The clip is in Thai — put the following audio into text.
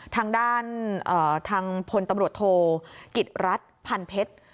ทางด้านทางพลตำรวจโทกิจรัฐพันเพชร